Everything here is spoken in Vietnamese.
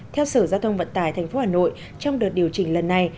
theo sở giao thông vận tải tp hà nội trong đợt điều chỉnh lần này